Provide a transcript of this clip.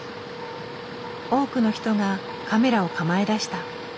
多くの人がカメラを構えだした。